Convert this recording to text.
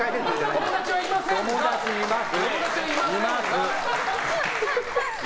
友達います！